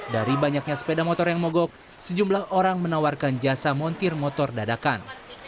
dari banyaknya sepeda motor yang mogok sejumlah orang menawarkan jasa montir motor dadakan